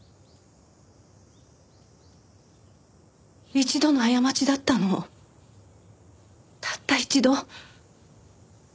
一度の過ちだったのたった一度。